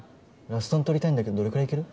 ラスソン取りたいんだけどどれくらいいける？